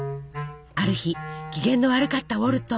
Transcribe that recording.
ある日機嫌の悪かったウォルト。